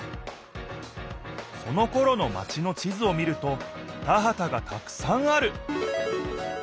そのころのマチの地図を見ると田はたがたくさんある。